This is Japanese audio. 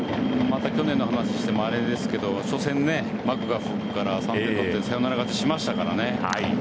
また去年の話してもあれですけど初戦、マクガフから３点取ってサヨナラ勝ちしましたからね。